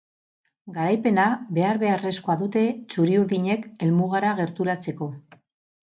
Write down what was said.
Garaipena behar-beharrezkoa dute txuri-urdinek helmugara gerturatzeko.